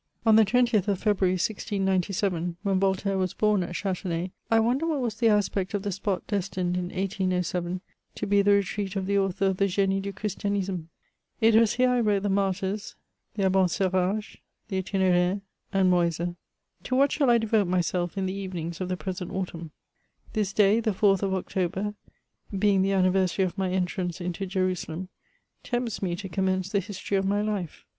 On the 40 MEMOIRS OF 20th of February, 1697, when Voltaire waa born at Chatenay, I wonder what was the aspect of the spot destined in 1807 to be the retreat of the author of the Genie du Christknistne 9 It was here I wrote the Martyrs, the Abencerages, the Itiniraire, and MoUe. To what shall I devote myself in the evenings of the present autumn? This day, the 4th of October, being the anniversary of my entrance into Jerusalem, tempts me to commence the history of my life.